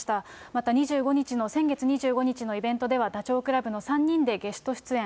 また２５日の、先月２５日のイベントでは、ダチョウ倶楽部の３人でゲスト出演。